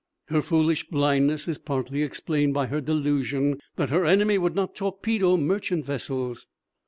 Her foolish blindness is partly explained by her delusion that her enemy would not torpedo merchant vessels.